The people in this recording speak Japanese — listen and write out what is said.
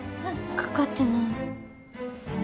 かかってない。